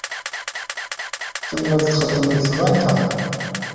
Tkemmel txeddem deg tbanka.